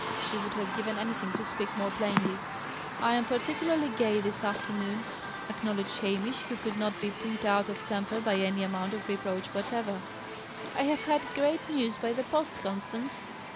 She would have given anything to speak more plainly. "I am particularly gay this afternoon," acknowledged Hamish, who could not be put out of temper by any amount of reproach whatever. "I have had great news by the post, Constance."